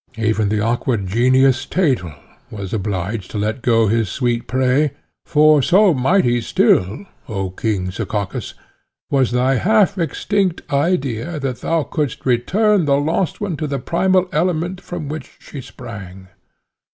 Even the awkward Genius, Thetel, was obliged to let go his sweet prey, for so mighty still, O king, Sekakis, was thy half extinct idea, that thou couldst return the lost one to the primal element, from which she sprang.